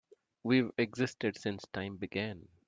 We've existed since time began.